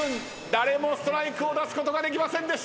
誰もストライクを出すことができませんでした。